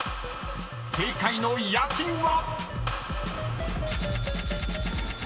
［正解の家賃は⁉］